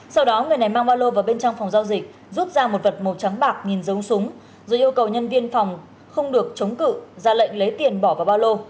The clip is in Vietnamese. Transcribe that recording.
sau đó người này mang ba lô vào bên trong phòng giao dịch rút ra một vật màu trắng bạc nghìn giống súng rồi yêu cầu nhân viên phòng không được chống cự ra lệnh lấy tiền bỏ vào ba lô